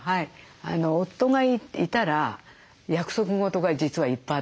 夫がいたら約束事が実はいっぱいあってですね。